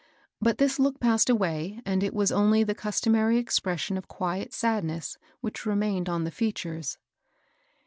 But this look passed away, and it was only the customary expression of quiet sadness which remained upon the features.